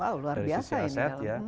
wow luar biasa ini